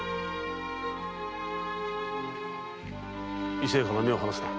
伊勢屋から目を離すな。